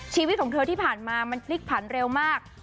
ชีวิตของเธอที่ผ่านมามันพลิกผันเร็วมาก